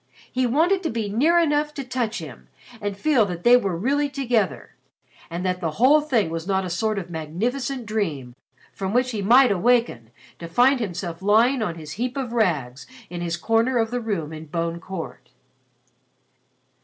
He wanted to be near enough to touch him and feel that they were really together and that the whole thing was not a sort of magnificent dream from which he might awaken to find himself lying on his heap of rags in his corner of the room in Bone Court.